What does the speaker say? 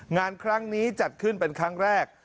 งานครั้งนี้จัดขึ้นเป็นครั้งแรก